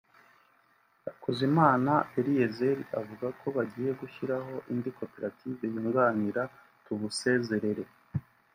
Hakuzimana Eliezel avuga ko bagiye gushyiraho indi koperative yunganira Tubusezerere